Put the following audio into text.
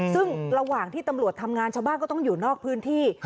ซึ่งระหว่างที่ตำรวจทำงานชาวบ้านก็ต้องอยู่นอกพื้นที่